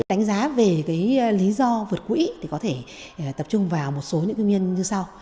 đánh giá về lý do vượt quỹ thì có thể tập trung vào một số những nguyên như sau